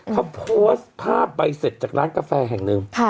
เขาโพสต์ภาพใบเสร็จจากร้านกาแฟแห่งหนึ่ง